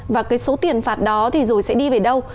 và cái số tiền phạt đó thì rồi sẽ đi về đâu